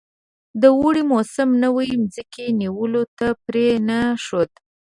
د اوړي موسم نوي مځکې نیولو ته پرې نه ښود.